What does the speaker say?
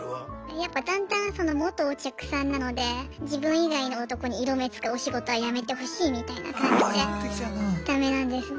やっぱだんだん元お客さんなので自分以外の男に色目使うお仕事は辞めてほしいみたいな感じでダメなんですね。